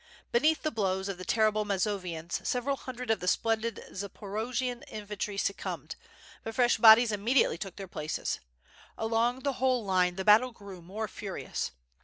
Beneath the blows of the terrible Mazovians several hundred of the splendid Zaporojian infantry suc combed, but fresh bodies immediately took their places. Along the whole line the battle grew more furious.